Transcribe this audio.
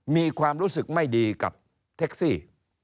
มีความรู้สึกไม่ดีกับแท็กซี่